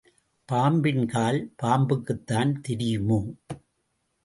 பாம்பின் கால் பாம்புக்குத்தான் தெரியுமோ?